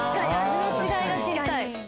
味の違いが知りたい！